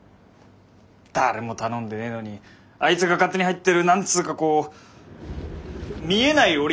誰も頼んでねえのにあいつが勝手に入ってる何つうかこう見えない檻？